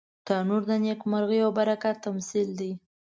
تنور د نیکمرغۍ او برکت تمثیل دی